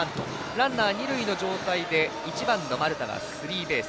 ランナー、二塁の状態で１番の丸田がスリーベース。